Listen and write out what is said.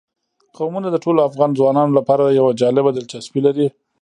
قومونه د ټولو افغان ځوانانو لپاره یوه جالبه دلچسپي لري.